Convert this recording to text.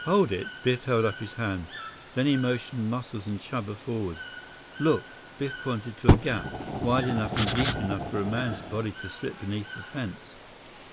"Hold it!" Biff held up his hand. Then he motioned Muscles and Chuba forward. "Look," Biff pointed to a gap, wide enough and deep enough for a man's body to slip beneath the fence.